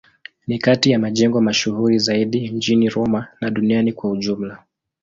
Ni kati ya majengo mashuhuri zaidi mjini Roma na duniani kwa ujumla.